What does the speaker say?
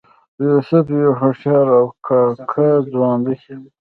یوسف یو هوښیار او کاکه ځوان دی.